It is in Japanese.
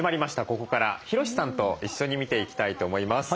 ここからヒロシさんと一緒に見ていきたいと思います。